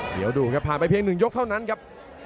เดี๋ยวดูครับผ่านไปเพียง๑ยกเท่านั้นครับ